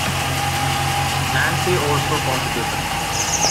Nancy also contributed.